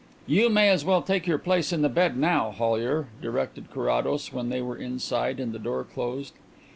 "You may as well take your place in the bed now, Hollyer," directed Carrados when they were inside and the door closed.